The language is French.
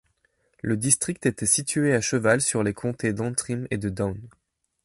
Le district était situé à cheval sur les comtés d'Antrim et de Down.